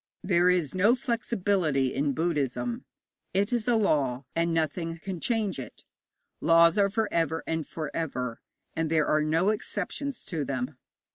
There is no flexibility in Buddhism. It is a law, and nothing can change it. Laws are for ever and for ever, and there are no exceptions to them.